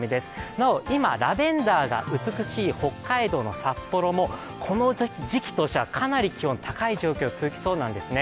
なお、今ラベンダーが美しい北海道の札幌もこの時期としてはかなり気温高い状況が続きそうなんですね。